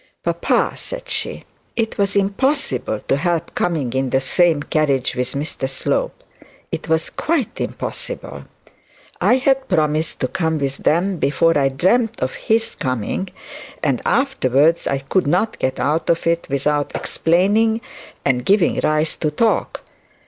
'Papa,' said she, 'it was impossible to help coming in the same carriage with Mr Slope; it was quite impossible. I had promised to come with them before I dreamt of his coming, and afterwards I could not get out of it without explaining and giving rise to talk.